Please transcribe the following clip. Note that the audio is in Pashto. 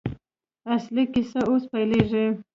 اصلي کیسه اوس پیلېږي.